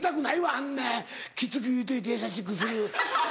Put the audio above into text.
あんなきつく言うといて優しくする。